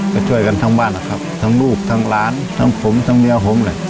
ไปช่วยกันทั้งบ้านนะครับทั้งลูกทั้งหลานทั้งผมทั้งเมียผมแหละ